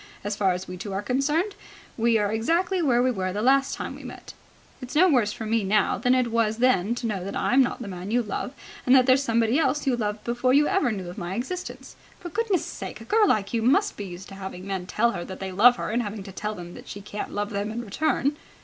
As far as we two are concerned, we are exactly where we were the last time we met. It's no worse for me now than it was then to know that I'm not the man you love, and that there's somebody else you loved before you ever knew of my existence. For goodness' sake, a girl like you must be used to having men tell her that they love her and having to tell them that she can't love them in return."